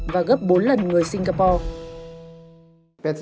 và gấp bốn lần người singapore